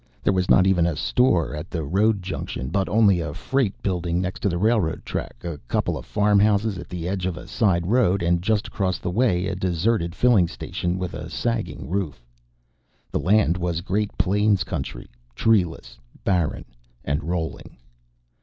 There was not even a store at the road junction, but only a freight building next to the railroad track, a couple of farmhouses at the edge of a side road, and, just across the way, a deserted filling station with a sagging roof. The land was Great Plains country, treeless, barren, and rolling.